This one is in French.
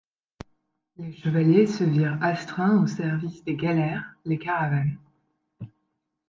Les chevaliers se virent astreints au service des galères, les caravanes.